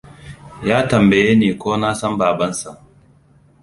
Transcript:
Ya tambayeni ko na san babansa.